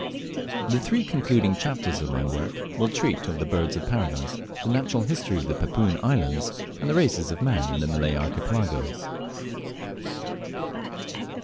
The three concluding chapters of my work will treat of the birds of Paradise, the Natural History of the Papuan Islands, and the Races of Man in the Malay Archipelago.